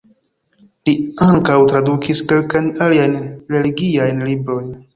Li ankaŭ tradukis kelkajn aliajn religiajn librojn.